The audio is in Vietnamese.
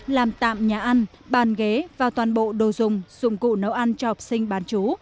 làm tạm nhà ăn bàn ghế và toàn bộ đồ dùng dụng cụ nấu ăn cho học sinh bán chú